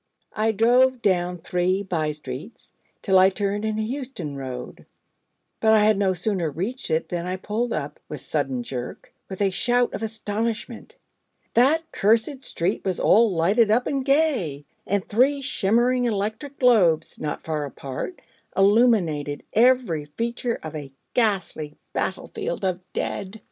I drove down three by streets, till I turned into Euston Road: but I had no sooner reached it than I pulled up with sudden jerk with a shout of astonishment. That cursed street was all lighted up and gay! and three shimmering electric globes, not far apart, illuminated every feature of a ghastly battle field of dead.